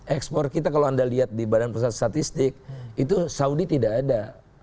ekspor kita kalau anda lihat di badan pusat statistik itu saudi tidak ada